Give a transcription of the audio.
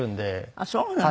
あっそうなの。